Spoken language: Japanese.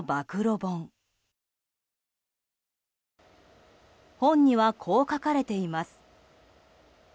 本には、こう書かれています。